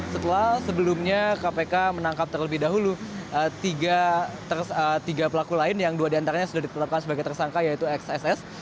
setelah sebelumnya kpk menangkap terlebih dahulu tiga pelaku lain yang dua diantaranya sudah ditetapkan sebagai tersangka yaitu xss